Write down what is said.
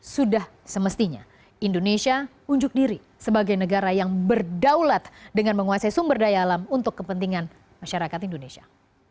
sudah semestinya indonesia unjuk diri sebagai negara yang berdaulat dengan menguasai sumber daya alam untuk kepentingan masyarakat indonesia